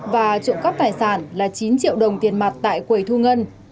và trộm cắp tài sản là chín triệu đồng tiền mặt tại quầy thu ngân